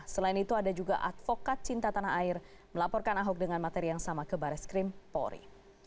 selain itu ada juga advokat cinta tanah air melaporkan ahok dengan materi yang sama ke baris krim polri